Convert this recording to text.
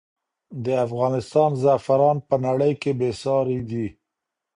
د افغانستان زعفران په نړۍ کې بې ساری دی.